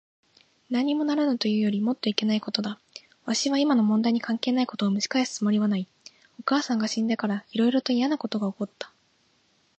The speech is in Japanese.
なんにもならぬというよりもっといけないことだ。わしは今の問題に関係ないことをむし返すつもりはない。お母さんが死んでから、いろいろといやなことが起った。